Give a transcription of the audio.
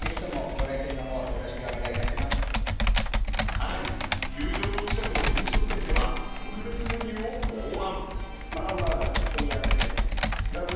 更に球場の近くの飲食店では特別メニューを考案。